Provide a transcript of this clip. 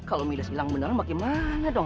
para kalau midas hilang beneran bagaimana dong